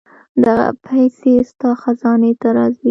دغه پېسې ستا خزانې ته راځي.